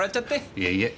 いえいえ。